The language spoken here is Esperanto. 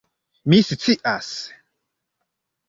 "Mi scias."